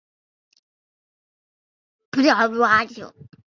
膨胀表孔珊瑚为轴孔珊瑚科表孔珊瑚属下的一个种。